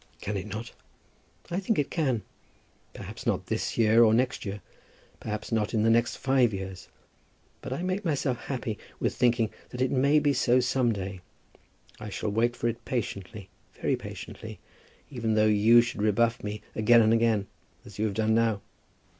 "Can it not? I think it can. Perhaps not this year, or next year; perhaps not in the next five years. But I make myself happy with thinking that it may be so some day. I shall wait for it patiently, very patiently, even though you should rebuff me again and again, as you have done now."